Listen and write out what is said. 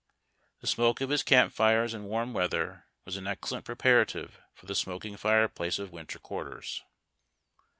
The smoke of his camp fires in warm weather was an excellent pi'eparative for the smoking fireplace of winter quarters.